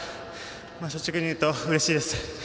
率直に言うとうれしいです。